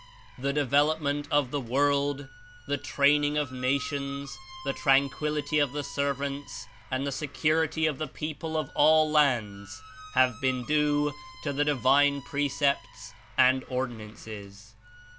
"The development of the world, the training of nations, the tranquillity of the servants and the secur ity of the people of all lands have been due to the Divine Precepts and Ordinances.